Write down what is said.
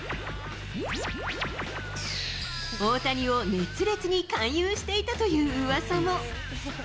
大谷を熱烈に勧誘していたといううわさも。